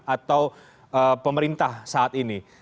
atau pemerintah saat ini